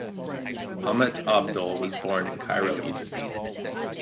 Ahmet Abdol was born in Cairo, Egypt.